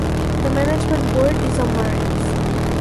The management board is in Marennes.